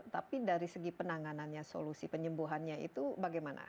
tapi dari segi penanganannya solusi penyembuhannya itu bagaimana